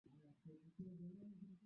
Mahali nimefika.